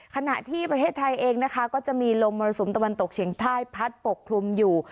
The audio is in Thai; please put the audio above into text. ขณะที่ประเทศไทยเองนะคะก็จะมีลมมรสุมตะวันตกเฉียงใต้พัดปกคลุมอยู่